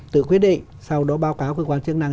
tự quyết định sau đó báo cáo cơ quan chức năng